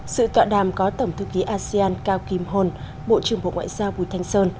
sự tọa đàm có tổng thư ký asean cao kim hồn bộ trưởng bộ ngoại giao bùi thanh sơn